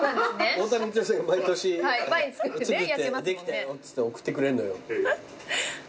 太田光代さんが毎年造ってできたよっつって送ってくれんのよ。